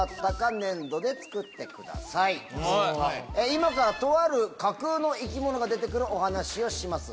今からとある架空の生き物が出て来るお話をします。